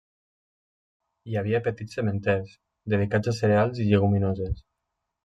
Hi havia petits sementers dedicats a cereals i lleguminoses.